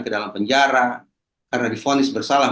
ke dalam penjara karena difonis bersalah